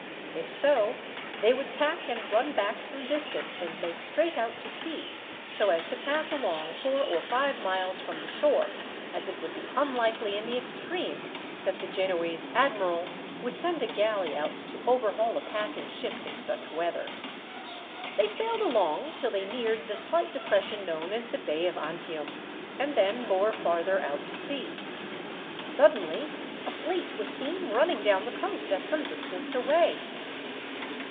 If so, they would tack and run back some distance, and make straight out to sea, so as to pass along four or five miles from the shore, as it would be unlikely in the extreme that the Genoese admiral would send a galley out to overhaul a passing ship in such weather. They sailed along till they neared the slight depression known as the Bay of Antium, and then bore farther out to sea. Suddenly a fleet was seen running down the coast at some distance away.